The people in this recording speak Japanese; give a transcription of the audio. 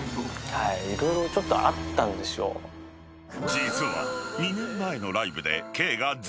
［実は］